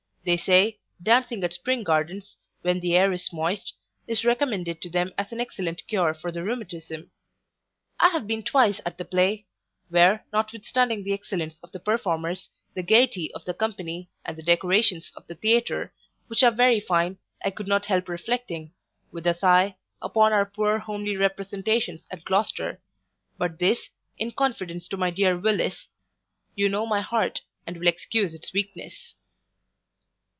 They say, dancing at Spring gardens, when the air is moist, is recommended to them as an excellent cure for the rheumatism. I have been twice at the play; where, notwithstanding the excellence of the performers, the gayety of the company, and the decorations of the theatre, which are very fine, I could not help reflecting, with a sigh, upon our poor homely representations at Gloucester But this, in confidence to my dear Willis You know my heart, and will excuse its weakness.